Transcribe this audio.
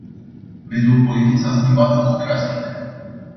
Mediul politic s-a schimbat în mod drastic.